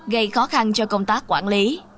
gây khó khăn cho công tác quản lý